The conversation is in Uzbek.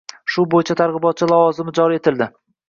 Shu bo‘yicha targ‘ibotchi lavozimi joriy etildi.